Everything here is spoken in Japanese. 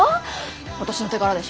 私の手柄でしょ。